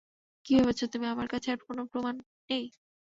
কী ভেবেছ তুমি, আমার কাছে আর কোনো প্রমাণ নেই?